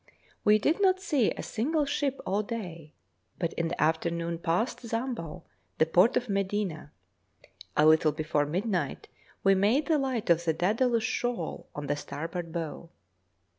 We did not see a single ship all day, but in the afternoon passed Zambo, the port of Medina. A little before midnight we made the light on the Dædalus shoal on the starboard bow.